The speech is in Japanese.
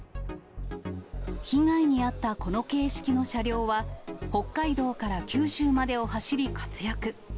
被害に遭ったこの形式の車両は、北海道から九州までを走り活躍。